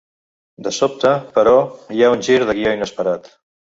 De sobte, però, hi ha un gir de guió inesperat.